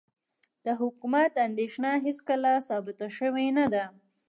د حکومت اندېښنه هېڅکله ثابته شوې نه ده.